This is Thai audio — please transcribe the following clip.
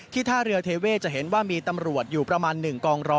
ท่าเรือเทเว่จะเห็นว่ามีตำรวจอยู่ประมาณ๑กองร้อย